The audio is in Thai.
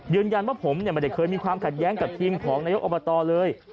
ยืนยันว่าผมไม่ได้เคยมีความขัดแย้งกับทีมของนายกอบตเลย